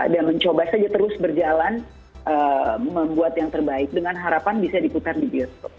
dan mencoba saja terus berjalan membuat yang terbaik dengan harapan bisa diputar di bioskop